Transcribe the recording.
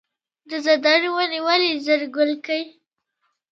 د زردالو ونې ولې ژر ګل کوي؟